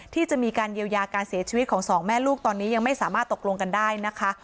ที่จะมีการเยียวยาการเสียชีวิตของสองแม่ลูกตอนนี้ยังไม่สามารถตกลงกันได้นะคะ